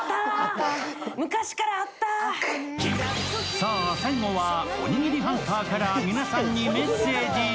さあ、最後はおにぎりハンターから皆さんにメッセージ。